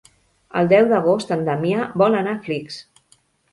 El deu d'agost en Damià vol anar a Flix.